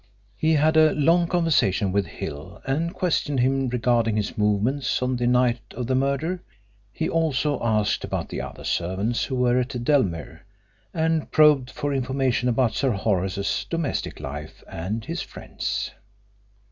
He had a long conversation with Hill and questioned him regarding his movements on the night of the murder. He also asked about the other servants who were at Dellmere, and probed for information about Sir Horace's domestic life and his friends.